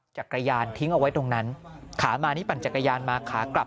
จักรยานทิ้งเอาไว้ตรงนั้นขามานี่ปั่นจักรยานมาขากลับ